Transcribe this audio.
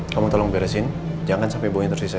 kamu tolong beresin jangan sampai bau nya tersisa disini